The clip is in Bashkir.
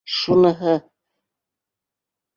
Шуныһы!